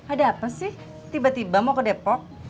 ada apa sih tiba tiba mau ke depok